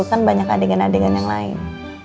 kan banyak adegan adegan yang lain